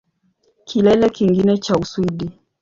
Kilele kingine cha Uswidi